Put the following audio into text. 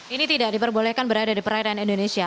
ini tidak diperbolehkan berada di perairan indonesia